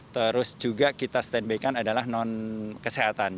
terus juga kita stand by kan adalah non kesehatan